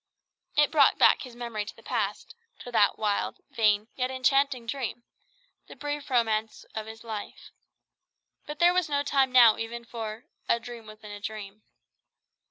It brought back his memory to the past to that wild, vain, yet enchanting dream; the brief romance of his life. But there was no time now even for "a dream within a dream."